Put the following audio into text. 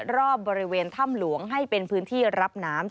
รอบบริเวณถ้ำหลวงให้เป็นพื้นที่รับน้ำ